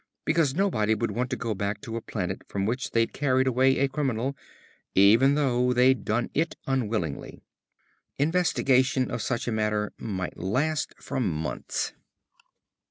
Because nobody would want to go back to a planet from which they'd carried away a criminal, even though they'd done it unwillingly. Investigation of such a matter might last for months.